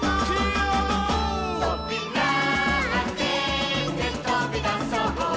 「とびらあけてとびだそう」